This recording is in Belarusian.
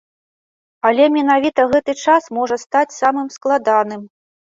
Але менавіта гэты час можа стаць самым складаным.